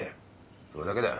それだけだよ。